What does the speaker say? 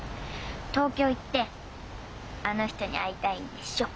東京行ってあの人に会いたいんでしょ？